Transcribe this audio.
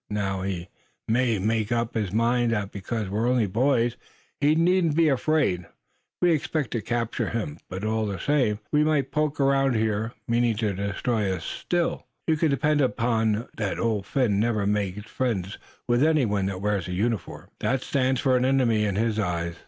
Now, he may make up his mind that because we're only boys he needn't be afraid we expect to capture him; but all the same, we might poke around here, meaning to destroy his Still, suh. You can depend upon it that Old Phin'll never make friends with any one that wears a uniform. That stands for an enemy in his eyes.